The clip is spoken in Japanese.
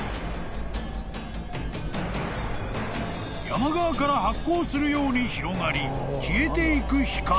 ［山側から発光するように広がり消えていく光］